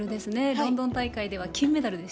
ロンドン大会では金メダル。